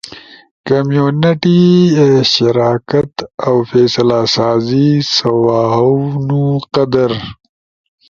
کمیونٹی شراکت اؤ فیصلہ سازی۔ سوہاونو قدر۔